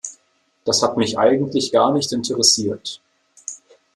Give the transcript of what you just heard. Das hat mich eigentlich gar nicht interessiert.